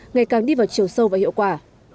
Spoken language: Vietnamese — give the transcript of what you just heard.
ngày càng đi vào chiều sâu và hiệu quả